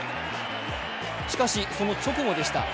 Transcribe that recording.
しかし、その直後でした。